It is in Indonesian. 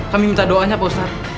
kami minta doanya pak ustadz